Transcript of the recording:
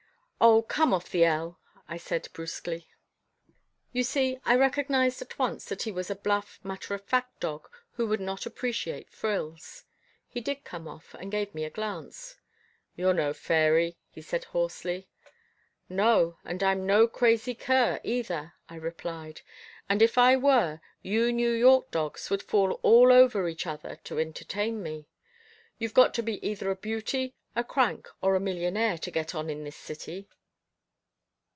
"Oh! Come off the L," I said brusquely. You see, I recognised at once, that he was a bluff, matter of fact dog who would not appreciate frills. He did come off, and gave me a glance. "You're no fairy," he said hoarsely. "No, and I'm no crazy cur, either," I replied. "If I were, you New York dogs would fall all over each other to entertain me. You've got to be either a beauty, a crank or a millionaire, to get on in this city."